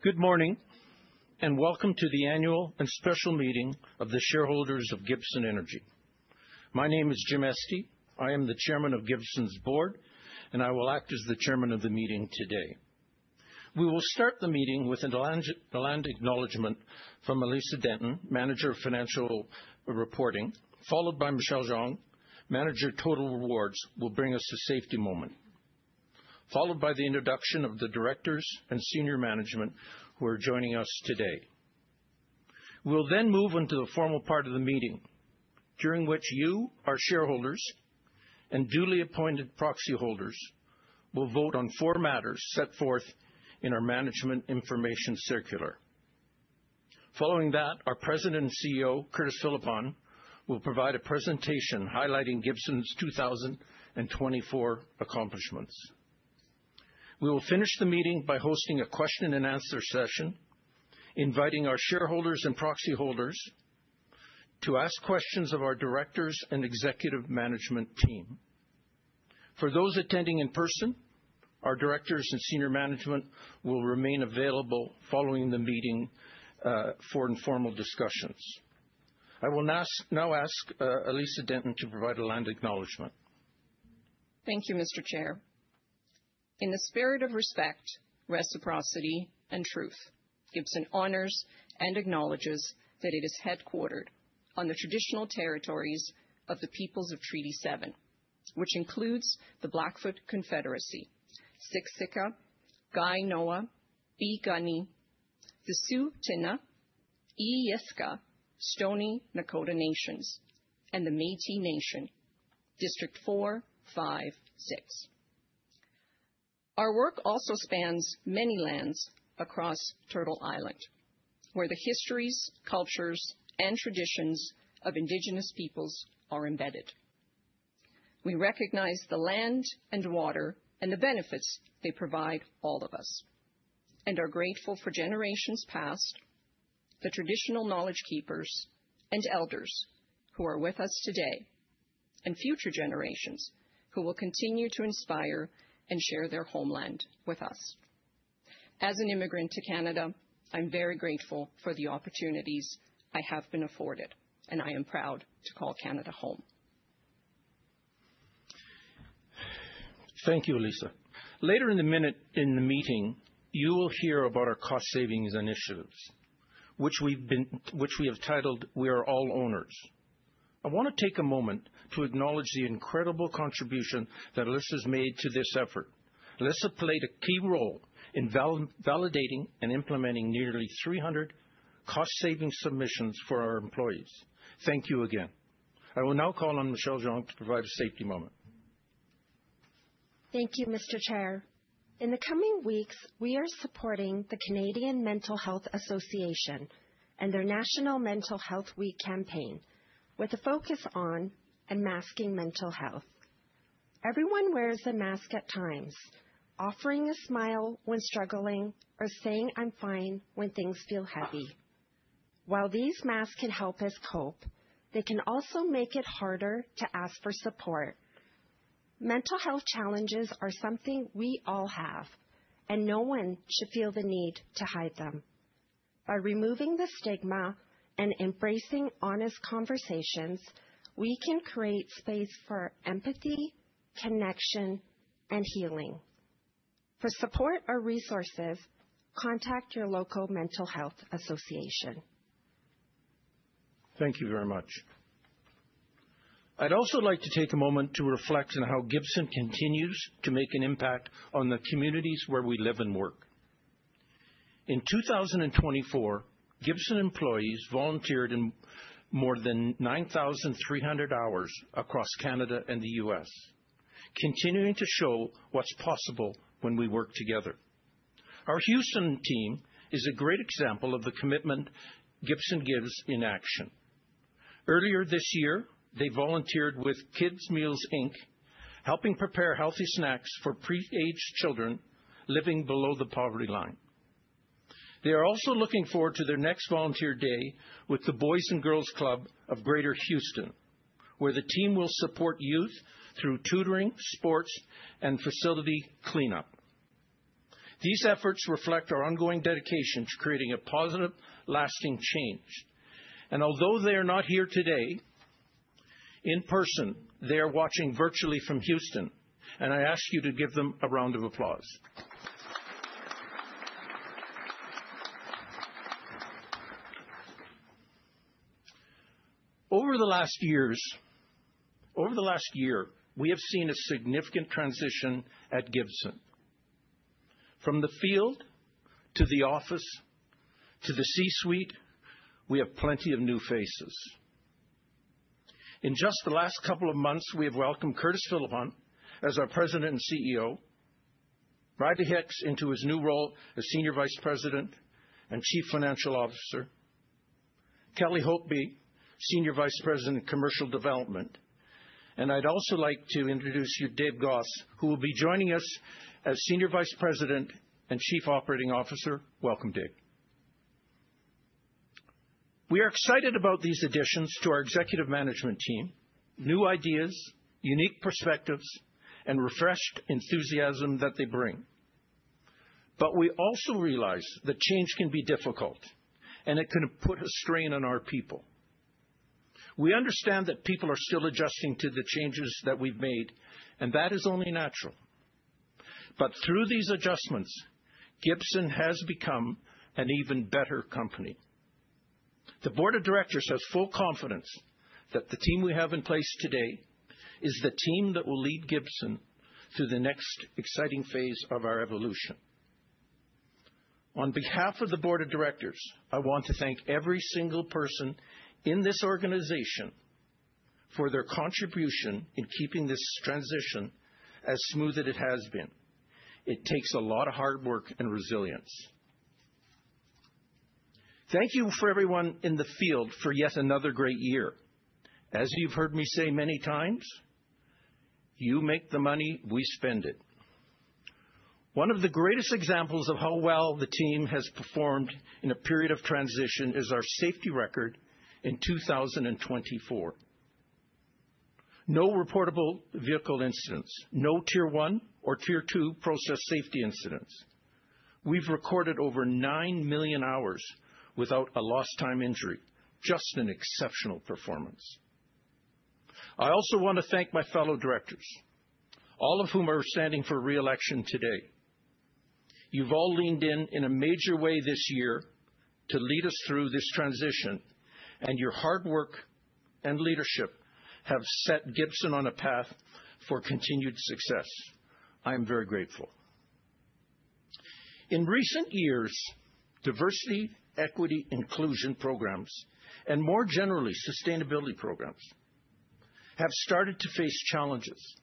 Good morning, and welcome to the annual and special meeting of the shareholders of Gibson Energy. My name is James Estey. I am the Chairman of Gibson's board, and I will act as the Chairman of the meeting today. We will start the meeting with an acknowledgment from Alisa Denton, Manager of Financial Reporting, followed by Michelle Zhang, Manager of Total Rewards, who will bring us a safety moment, followed by the introduction of the directors and senior management who are joining us today. We'll then move into the formal part of the meeting, during which you, our shareholders, and duly appointed proxy holders will vote on four matters set forth in our management information circular. Following that, our President and CEO, Curtis Philippon, will provide a presentation highlighting Gibson's 2024 accomplishments. We will finish the meeting by hosting a question-and-answer session, inviting our shareholders and proxy holders to ask questions of our directors and executive management team. For those attending in person, our directors and senior management will remain available following the meeting for informal discussions. I will now ask Alisa Denton to provide a land acknowledgment. Thank you, Mr. Chair. In the spirit of respect, reciprocity, and truth, Gibson honors and acknowledges that it is headquartered on the traditional territories of the peoples of Treaty 7, which includes the Blackfoot Confederacy, Siksika, Kainai, Piikani, the Tsuut'ina, Îyârhe Nakoda Nations, and the Métis Nation, District Four, Five, Six. Our work also spans many lands across Turtle Island, where the histories, cultures, and traditions of indigenous peoples are embedded. We recognize the land and water and the benefits they provide all of us, and are grateful for generations past, the traditional knowledge keepers and elders who are with us today, and future generations who will continue to inspire and share their homeland with us. As an immigrant to Canada, I'm very grateful for the opportunities I have been afforded, and I am proud to call Canada home. Thank you, Alisa. Later in the meeting, you will hear about our cost savings initiatives, which we have titled "We Are All Owners." I want to take a moment to acknowledge the incredible contribution that Elisa has made to this effort. Elisa played a key role in validating and implementing nearly 300 cost savings submissions for our employees. Thank you again. I will now call on Michelle Zhang to provide a safety moment. Thank you, Mr. Chair. In the coming weeks, we are supporting the Canadian Mental Health Association and their National Mental Health Week campaign with a focus on unmasking mental health. Everyone wears a mask at times, offering a smile when struggling or saying, "I'm fine," when things feel heavy. While these masks can help us cope, they can also make it harder to ask for support. Mental health challenges are something we all have, and no one should feel the need to hide them. By removing the stigma and embracing honest conversations, we can create space for empathy, connection, and healing. For support or resources, contact your local mental health association. Thank you very much. I'd also like to take a moment to reflect on how Gibson continues to make an impact on the communities where we live and work. In 2024, Gibson employees volunteered in more than 9,300 hours across Canada and the U.S., continuing to show what's possible when we work together. Our Houston team is a great example of the commitment Gibson gives in action. Earlier this year, they volunteered with Kids Meals Inc., helping prepare healthy snacks for pre-aged children living below the poverty line. They are also looking forward to their next volunteer day with the Boys and Girls Club of Greater Houston, where the team will support youth through tutoring, sports, and facility cleanup. These efforts reflect our ongoing dedication to creating a positive, lasting change. Although they are not here today in person, they are watching virtually from Houston, and I ask you to give them a round of applause. Over the last year, we have seen a significant transition at Gibson. From the field to the office to the C-suite, we have plenty of new faces. In just the last couple of months, we have welcomed Curtis Philippon as our President and CEO, Riley Hicks into his new role as Senior Vice President and Chief Financial Officer, Kelly Holtby, Senior Vice President and Commercial Development. I would also like to introduce you to Dave Gosse, who will be joining us as Senior Vice President and Chief Operating Officer. Welcome, Dave. We are excited about these additions to our executive management team: new ideas, unique perspectives, and refreshed enthusiasm that they bring. We also realize that change can be difficult, and it can put a strain on our people. We understand that people are still adjusting to the changes that we've made, and that is only natural. Through these adjustments, Gibson has become an even better company. The board of directors has full confidence that the team we have in place today is the team that will lead Gibson through the next exciting phase of our evolution. On behalf of the board of directors, I want to thank every single person in this organization for their contribution in keeping this transition as smooth as it has been. It takes a lot of hard work and resilience. Thank you for everyone in the field for yet another great year. As you've heard me say many times, you make the money, we spend it. One of the greatest examples of how well the team has performed in a period of transition is our safety record in 2024. No reportable vehicle incidents, no tier one or tier two process safety incidents. We've recorded over 9 million hours without a lost-time injury, just an exceptional performance. I also want to thank my fellow directors, all of whom are standing for reelection today. You've all leaned in in a major way this year to lead us through this transition, and your hard work and leadership have set Gibson on a path for continued success. I am very grateful. In recent years, diversity, equity, inclusion programs, and more generally, sustainability programs have started to face challenges.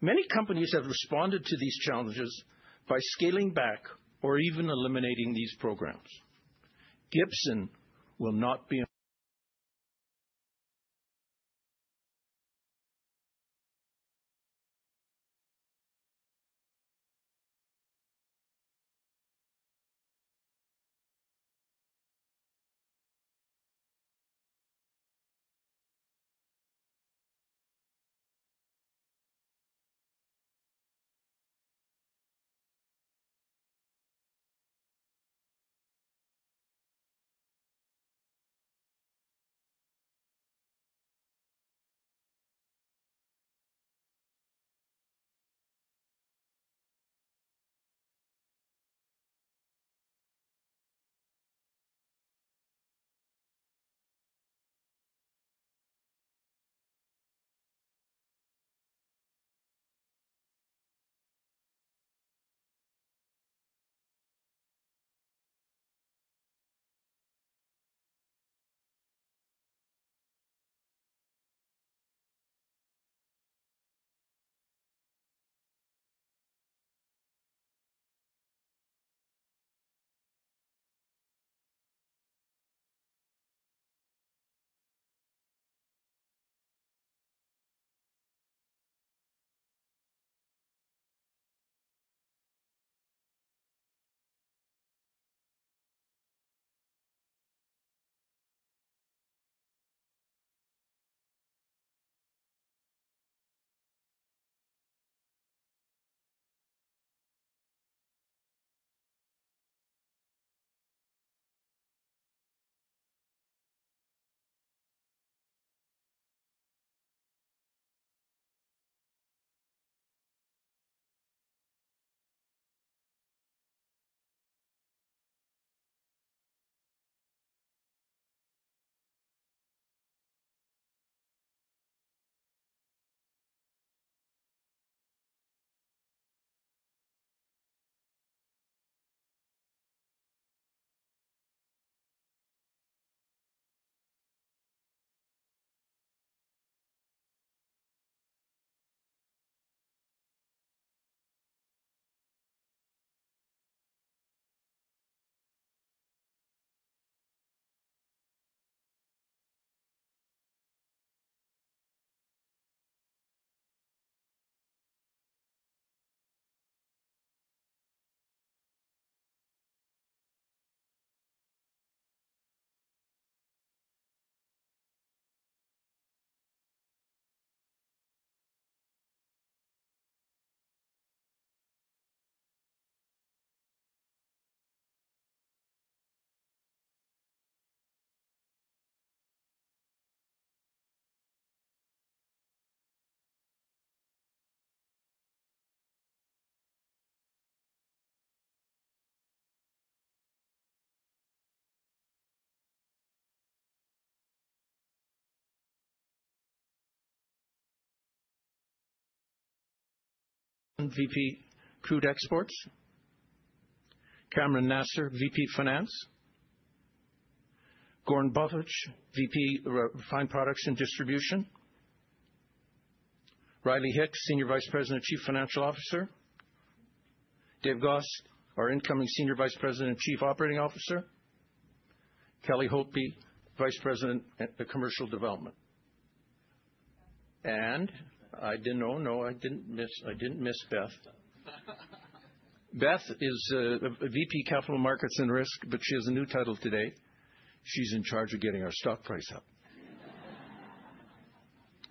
Many companies have responded to these challenges by scaling back or even eliminating these programs. Gibson will not be. VP Crude Exports, Cameron Nassar, VP Finance, Goren Bothic, VP Refined Products and Distribution, Riley Hicks, Senior Vice President and Chief Financial Officer, Dave Gosse, our incoming Senior Vice President and Chief Operating Officer, Kelly Holtby, Vice President and Commercial Development. I didn't know, no, I didn't miss Beth. Beth is VP Capital Markets and Risk, but she has a new title today. She's in charge of getting our stock price up.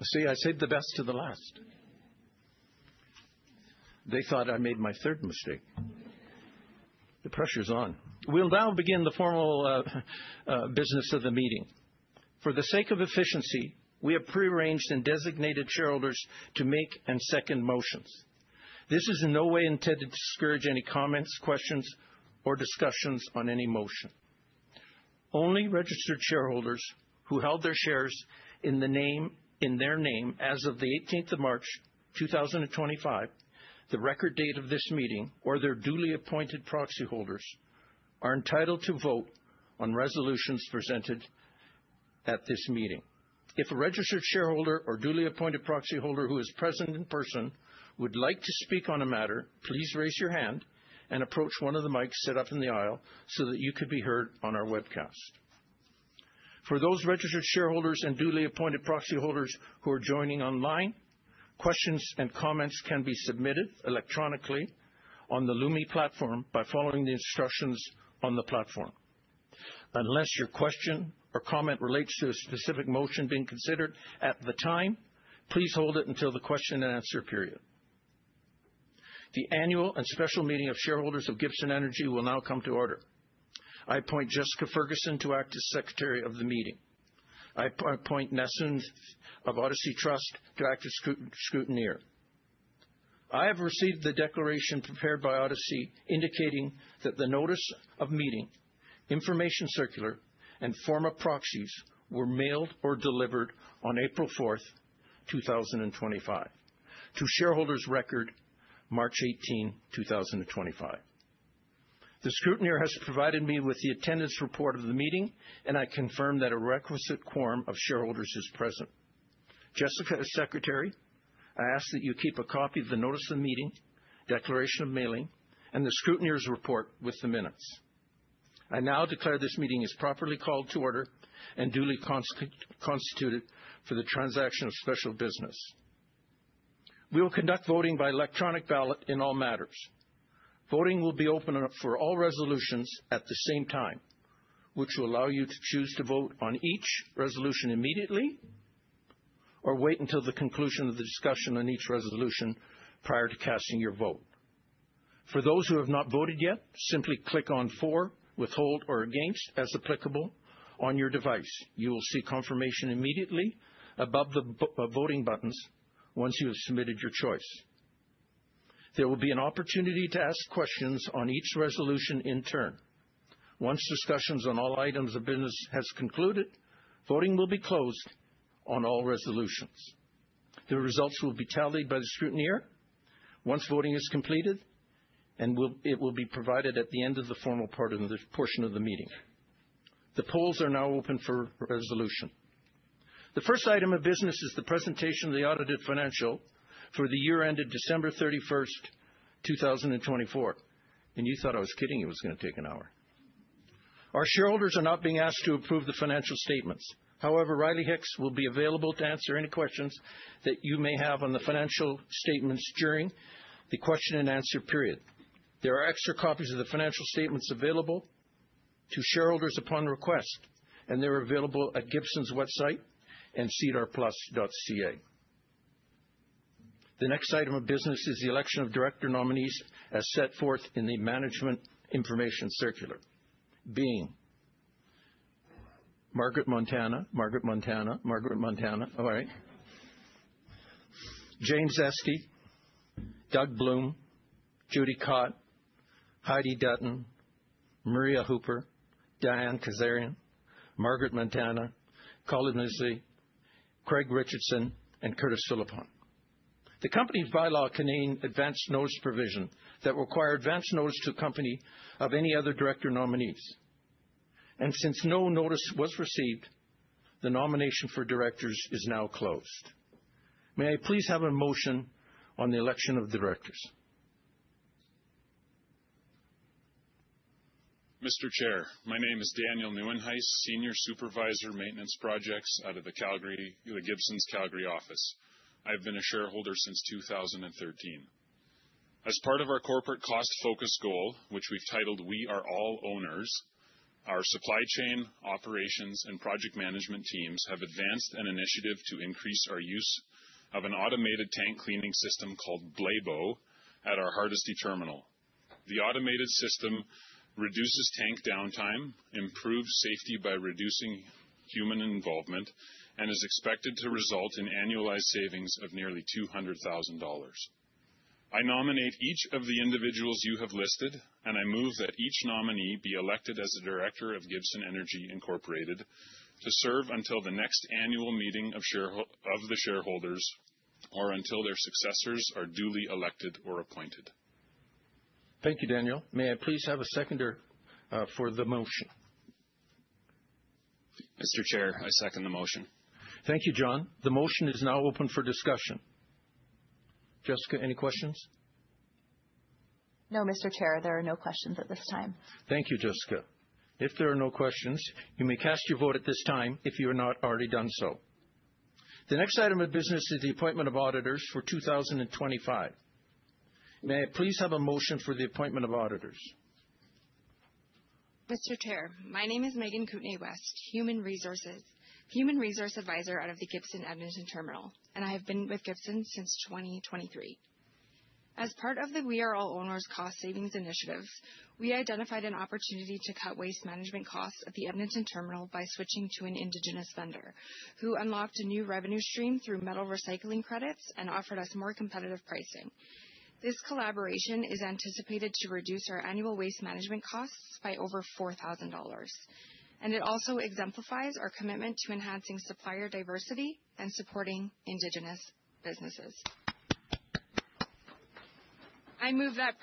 See, I saved the best to the last. They thought I made my third mistake. The pressure's on. We'll now begin the formal business of the meeting. For the sake of efficiency, we have prearranged and designated shareholders to make and second motions. This is in no way intended to discourage any comments, questions, or discussions on any motion. Only registered shareholders who held their shares in their name as of the 18th of March 2025, the record date of this meeting, or their duly appointed proxy holders are entitled to vote on resolutions presented at this meeting. If a registered shareholder or duly appointed proxy holder who is present in person would like to speak on a matter, please raise your hand and approach one of the mics set up in the aisle so that you could be heard on our webcast. For those registered shareholders and duly appointed proxy holders who are joining online, questions and comments can be submitted electronically on the LUMI platform by following the instructions on the platform. Unless your question or comment relates to a specific motion being considered at the time, please hold it until the question and answer period. The annual and special meeting of shareholders of Gibson Energy will now come to order. I appoint Jessica Ferguson to act as secretary of the meeting. I appoint Nessun of Odyssey Trust to act as scrutineer. I have received the declaration prepared by Odyssey indicating that the notice of meeting, information circular, and form of proxies were mailed or delivered on April 4th, 2025, to shareholders' record, March 18, 2025. The scrutineer has provided me with the attendance report of the meeting, and I confirm that a requisite quorum of shareholders is present. Jessica is secretary. I ask that you keep a copy of the notice of meeting, declaration of mailing, and the scrutineer's report with the minutes. I now declare this meeting is properly called to order and duly constituted for the transaction of special business. We will conduct voting by electronic ballot in all matters. Voting will be open for all resolutions at the same time, which will allow you to choose to vote on each resolution immediately or wait until the conclusion of the discussion on each resolution prior to casting your vote. For those who have not voted yet, simply click on for, withhold, or against as applicable on your device. You will see confirmation immediately above the voting buttons once you have submitted your choice. There will be an opportunity to ask questions on each resolution in turn. Once discussions on all items of business have concluded, voting will be closed on all resolutions. The results will be tallied by the scrutineer once voting is completed, and it will be provided at the end of the formal portion of the meeting. The polls are now open for resolution. The first item of business is the presentation of the audited financial for the year ended December 31st, 2024. You thought I was kidding you it was going to take an hour. Our shareholders are not being asked to approve the financial statements. However, Riley Hicks will be available to answer any questions that you may have on the financial statements during the question and answer period. There are extra copies of the financial statements available to shareholders upon request, and they're available at Gibson's website and sedarplus.ca. The next item of business is the election of director nominees as set forth in the management information circular. Being Margaret Montana, James Estey, Doug Bloom, Judy Cotte, Heidi Dutton, Maria Hooper, Diane Kazarian, Margaret Montana, [Colin Izzy], Craig Richardson, and Curtis Philippon. The company's bylaw contained advance notice provision that required advance notice to accompany of any other director nominees. Since no notice was received, the nomination for directors is now closed. May I please have a motion on the election of directors? Mr. Chair, my name is Daniel Nieuwenhuis, Senior Supervisor Maintenance Projects out of the Gibson Energy Calgary office. I've been a shareholder since 2013. As part of our corporate cost-focused goal, which we've titled We Are All Owners, our supply chain, operations, and project management teams have advanced an initiative to increase our use of an automated tank cleaning system called BLABO at our Hardisty terminal. The automated system reduces tank downtime, improves safety by reducing human involvement, and is expected to result in annualized savings of nearly $200,000. I nominate each of the individuals you have listed, and I move that each nominee be elected as a director of Gibson Energy Incorporated, to serve until the next annual meeting of the shareholders or until their successors are duly elected or appointed. Thank you, Daniel. May I please have a seconder for the motion? Mr. Chair, I second the motion. Thank you, John. The motion is now open for discussion. Jessica, any questions? No, Mr. Chair, there are no questions at this time. Thank you, Jessica. If there are no questions, you may cast your vote at this time if you have not already done so. The next item of business is the appointment of auditors for 2025. May I please have a motion for the appointment of auditors? Mr. Chair, my name is Megan Kootenay West, Human Resources, Human Resource Advisor out of the Gibson Edmonton Terminal, and I have been with Gibson since 2023. As part of the We Are All Owners cost savings initiative, we identified an opportunity to cut waste management costs at the Edmonton Terminal by switching to an indigenous vendor who unlocked a new revenue stream through metal recycling credits and offered us more competitive pricing. This collaboration is anticipated to reduce our annual waste management costs by over $4,000. It also exemplifies our commitment to enhancing supplier diversity and supporting Indigenous businesses. I move that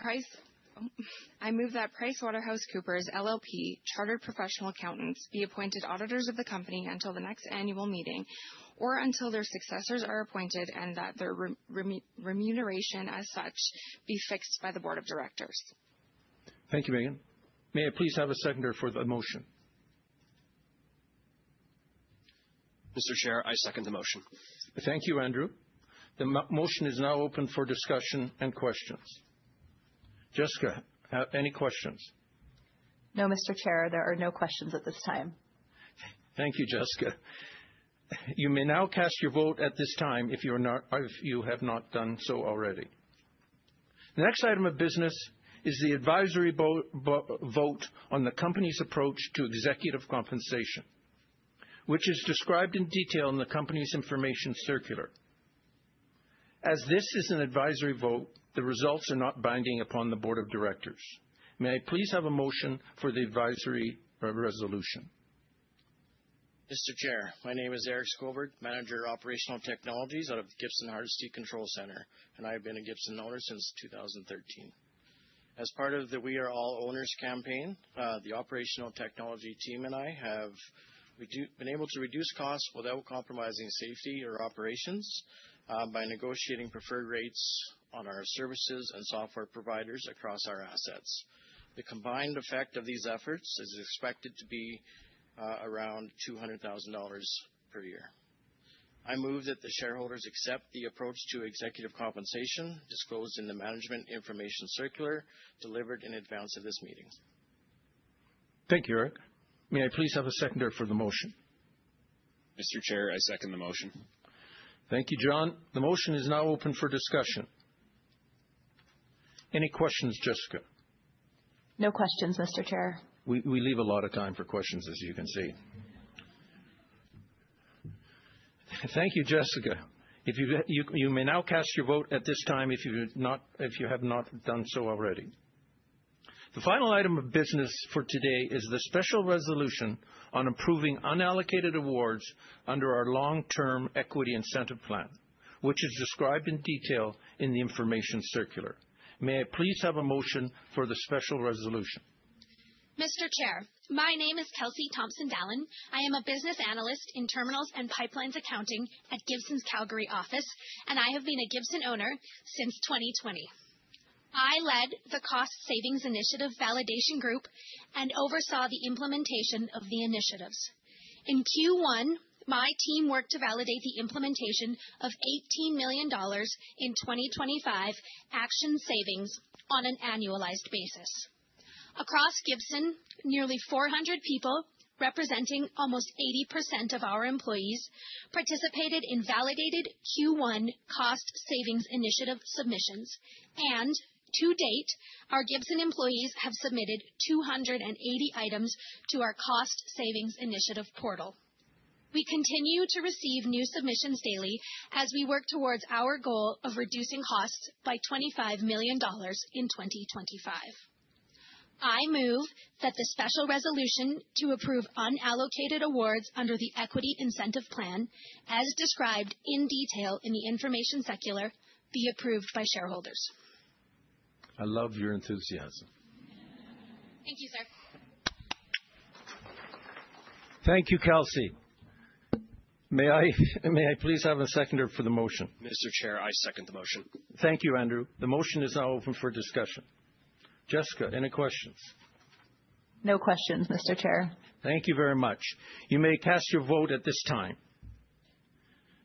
PricewaterhouseCoopers LLP, Chartered Professional Accountants, be appointed auditors of the company until the next annual meeting or until their successors are appointed and that their remuneration as such be fixed by the board of directors. Thank you, Megan. May I please have a seconder for the motion? Mr. Chair, I second the motion. Thank you, Andrew. The motion is now open for discussion and questions. Jessica, any questions? No, Mr. Chair, there are no questions at this time. Thank you, Jessica. You may now cast your vote at this time if you have not done so already. The next item of business is the advisory vote on the company's approach to executive compensation, which is described in detail in the company's information circular. As this is an advisory vote, the results are not binding upon the board of directors. May I please have a motion for the advisory resolution? Mr. Chair, my name is Eric Skoberg, Manager of Operational Technologies out of Gibson Hardisty Control Center, and I have been a Gibson owner since 2013. As part of the We Are All Owners campaign, the operational technology team and I have been able to reduce costs without compromising safety or operations by negotiating preferred rates on our services and software providers across our assets. The combined effect of these efforts is expected to be around $200,000 per year. I move that the shareholders accept the approach to executive compensation disclosed in the management information circular delivered in advance of this meeting. Thank you, Eric. May I please have a seconder for the motion? Mr. Chair, I second the motion. Thank you, John. The motion is now open for discussion. Any questions, Jessica? No questions, Mr. Chair. We leave a lot of time for questions, as you can see. Thank you, Jessica. You may now cast your vote at this time if you have not done so already. The final item of business for today is the special resolution on improving unallocated awards under our long-term equity incentive plan, which is described in detail in the information circular. May I please have a motion for the special resolution? Mr. Chair, my name is Kelsey Thompson-Dallyn. I am a business analyst in terminals and pipelines accounting at Gibson's Calgary office, and I have been a Gibson owner since 2020. I led the cost savings initiative validation group and oversaw the implementation of the initiatives. In Q1, my team worked to validate the implementation of $18 million in 2025 action savings on an annualized basis. Across Gibson, nearly 400 people representing almost 80% of our employees participated in validated Q1 cost savings initiative submissions. To date, our Gibson employees have submitted 280 items to our cost savings initiative portal. We continue to receive new submissions daily as we work towards our goal of reducing costs by $25 million in 2025. I move that the special resolution to approve unallocated awards under the equity incentive plan, as described in detail in the information circular, be approved by shareholders. I love your enthusiasm. Thank you, sir. Thank you, Kelsey. May I please have a seconder for the motion? Mr. Chair, I second the motion. Thank you, Andrew. The motion is now open for discussion. Jessica, any questions? No questions, Mr. Chair. Thank you very much. You may cast your vote at this time.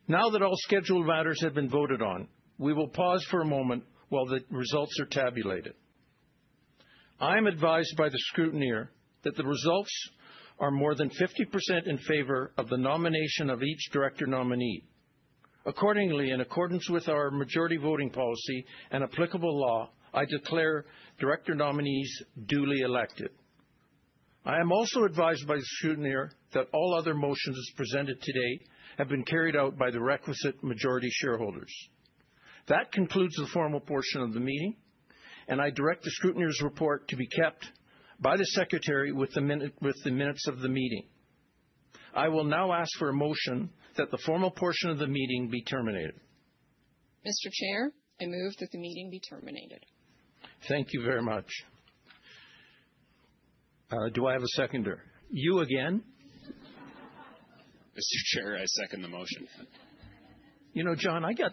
Now that all scheduled matters have been voted on, we will pause for a moment while the results are tabulated. I am advised by the scrutineer that the results are more than 50% in favor of the nomination of each director nominee. Accordingly, in accordance with our majority voting policy and applicable law, I declare director nominees duly elected. I am also advised by the scrutineer that all other motions presented today have been carried out by the requisite majority shareholders. That concludes the formal portion of the meeting, and I direct the scrutineer's report to be kept by the secretary with the minutes of the meeting. I will now ask for a motion that the formal portion of the meeting be terminated. Mr. Chair, I move that the meeting be terminated. Thank you very much. Do I have a seconder? You again? Mr. Chair, I second the motion. You know, John, I could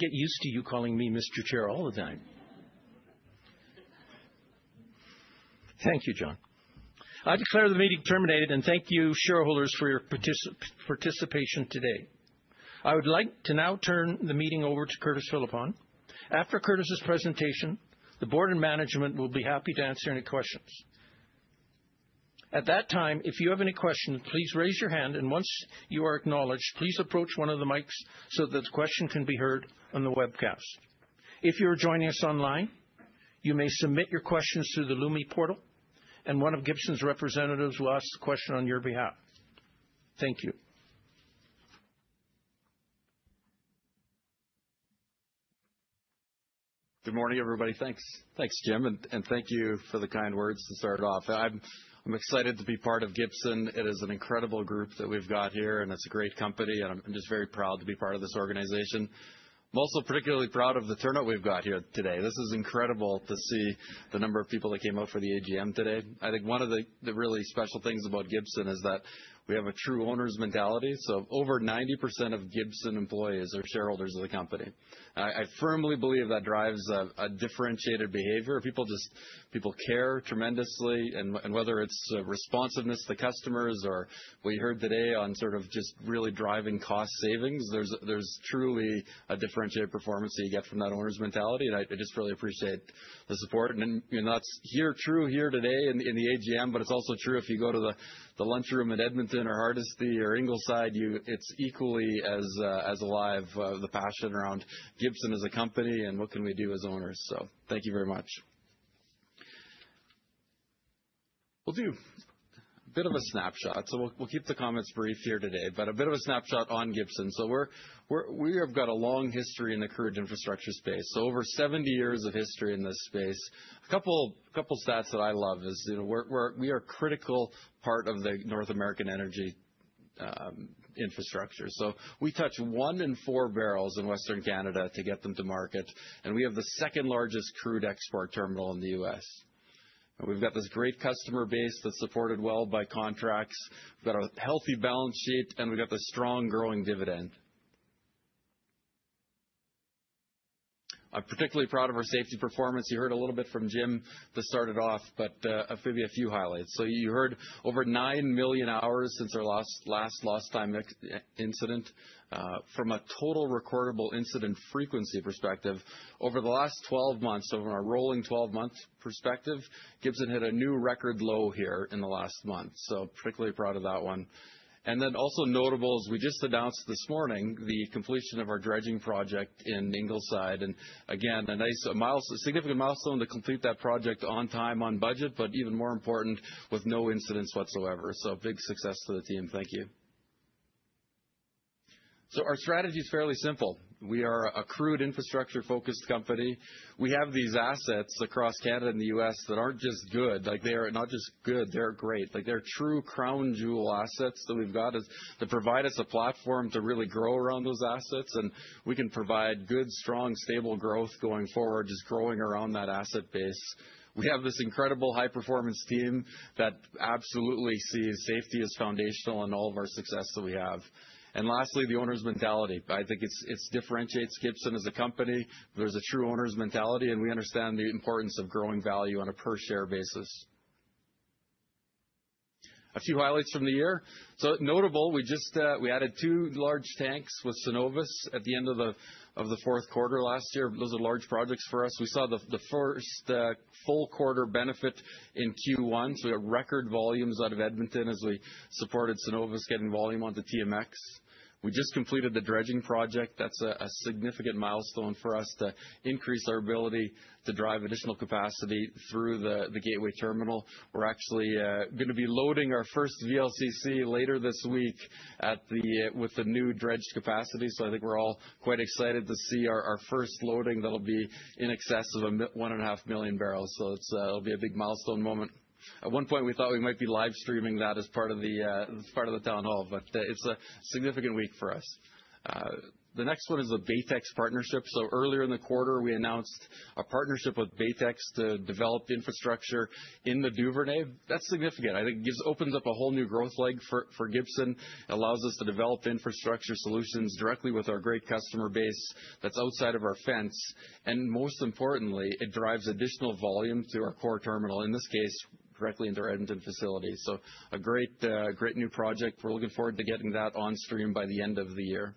get used to you calling me Mr. Chair all the time. Thank you, John. I declare the meeting terminated, and thank you, shareholders, for your participation today. I would like to now turn the meeting over to Curtis Philippon. After Curtis's presentation, the board and management will be happy to answer any questions. At that time, if you have any questions, please raise your hand, and once you are acknowledged, please approach one of the mics so that the question can be heard on the webcast. If you are joining us online, you may submit your questions through the LUMI portal, and one of Gibson's representatives will ask the question on your behalf. Thank you. Good morning, everybody. Thanks, Jim. And thank you for the kind words to start off. I'm excited to be part of Gibson. It is an incredible group that we've got here, and it's a great company. I'm just very proud to be part of this organization. I'm also particularly proud of the turnout we've got here today. This is incredible to see the number of people that came up for the AGM today. I think one of the really special things about Gibson is that we have a true owners mentality. Over 90% of Gibson employees are shareholders of the company. I firmly believe that drives a differentiated behavior. People just care tremendously. Whether it's responsiveness to customers or what you heard today on sort of just really driving cost savings, there is truly a differentiated performance that you get from that owners mentality. I just really appreciate the support. That is true here today in the AGM, but it is also true if you go to the lunchroom at Edmonton or Hardisty or Ingleside, it is equally as alive, the passion around Gibson as a company and what can we do as owners. Thank you very much. We'll do a bit of a snapshot. We'll keep the comments brief here today, but a bit of a snapshot on Gibson. We have got a long history in the crude infrastructure space, over 70 years of history in this space. A couple of stats that I love is we are a critical part of the North American energy infrastructure. We touch one in four barrels in Western Canada to get them to market, and we have the second largest crude export terminal in the U.S. We have this great customer base that's supported well by contracts. We have a healthy balance sheet, and we have this strong growing dividend. I'm particularly proud of our safety performance. You heard a little bit from Jim that started off, but maybe a few highlights. You heard over 9 million hours since our last lost-time incident. From a total recordable incident frequency perspective, over the last 12 months, so from our rolling 12-month perspective, Gibson hit a new record low here in the last month. I am particularly proud of that one. Also notable, as we just announced this morning, is the completion of our dredging project in Ingleside. Again, a significant milestone to complete that project on time, on budget, but even more important, with no incidents whatsoever. Big success to the team. Thank you. Our strategy is fairly simple. We are a crude infrastructure-focused company. We have these assets across Canada and the U.S. that are not just good. They are not just good. They are great. They are true crown jewel assets that we have to provide us a platform to really grow around those assets. We can provide good, strong, stable growth going forward, just growing around that asset base. We have this incredible high-performance team that absolutely sees safety as foundational in all of our success that we have. Lastly, the owners mentality. I think it differentiates Gibson as a company. There is a true owners mentality, and we understand the importance of growing value on a per-share basis. A few highlights from the year. Notable, we added two large tanks with Cenovus at the end of the fourth quarter last year. Those are large projects for us. We saw the first full quarter benefit in Q1. We had record volumes out of Edmonton as we supported Cenovus getting volume onto TMX. We just completed the dredging project. That is a significant milestone for us to increase our ability to drive additional capacity through the Gateway Terminal. We are actually going to be loading our first VLCC later this week with the new dredged capacity. I think we're all quite excited to see our first loading that'll be in excess of 1.5 million barrels. It'll be a big milestone moment. At one point, we thought we might be live streaming that as part of the town hall, but it's a significant week for us. The next one is the Baytex partnership. Earlier in the quarter, we announced a partnership with Baytex to develop the infrastructure in the Duvernay. That's significant. I think it opens up a whole new growth leg for Gibson. It allows us to develop infrastructure solutions directly with our great customer base that's outside of our fence. Most importantly, it drives additional volume to our core terminal, in this case, directly into our Edmonton facility. A great new project. We're looking forward to getting that on stream by the end of the year.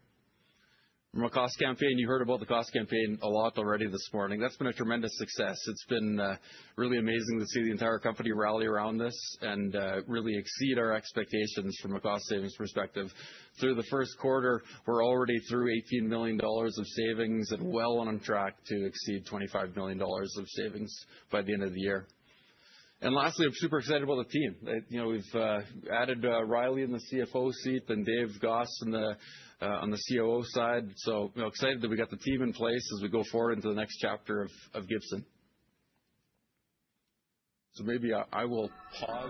From a cost campaign, you heard about the cost campaign a lot already this morning. That has been a tremendous success. It has been really amazing to see the entire company rally around this and really exceed our expectations from a cost savings perspective. Through the first quarter, we are already through $18 million of savings and well on track to exceed $25 million of savings by the end of the year. Lastly, I am super excited about the team. We have added Riley in the CFO seat and Dave Gosse on the COO side. Excited that we got the team in place as we go forward into the next chapter of Gibson. Maybe I will pause.